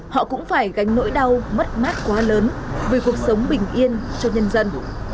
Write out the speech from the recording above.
họ cũng phải gánh nỗi đau mất mát quá lớn vì cuộc sống bình yên cho nhân dân